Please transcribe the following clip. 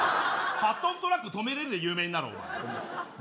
８トントラック止められるで有名になるわ。